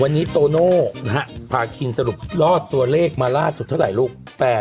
วันนี้โตโน่พาคินสรุปรอดตัวเลขมาล่าสุดเท่าไหร่ลูก